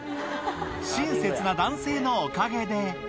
親切な男性のおかげで。